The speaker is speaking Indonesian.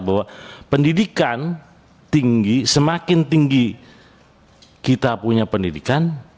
bahwa pendidikan tinggi semakin tinggi kita punya pendidikan